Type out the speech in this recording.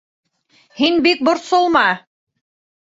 - Һин бик борсолма...